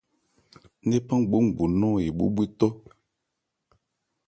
Ńnephan ngbóngbo nɔn ebhó bhwetɔ́.